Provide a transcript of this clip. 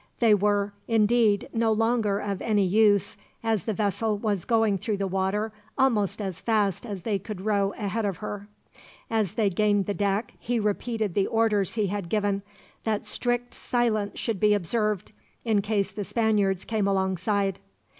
They were, indeed, no longer of any use, as the vessel was going through the water almost as fast as they could row ahead of her. As they gained the deck he repeated the orders he had given that strict silence should be observed, in case the Spaniards came alongside.